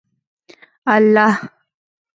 الله